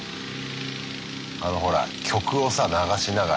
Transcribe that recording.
あのほら曲をさ流しながら。